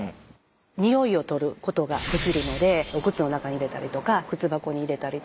臭いを取ることができるのでお靴の中に入れたりとか靴箱に入れたりとか。